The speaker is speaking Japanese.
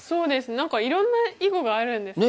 何かいろんな囲碁があるんですね。